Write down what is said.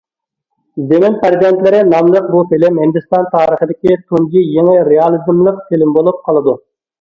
‹‹ زېمىن پەرزەنتلىرى›› ناملىق بۇ فىلىم ھىندىستان تارىخىدىكى تۇنجى يېڭى رېئالىزملىق فىلىم بولۇپ قالىدۇ.